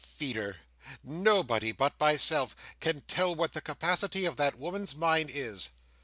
Feeder! Nobody but myself can tell what the capacity of that woman's mind is.